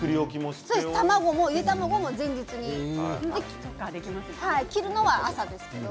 卵も、ゆで卵も前日に切るのは朝ですけど。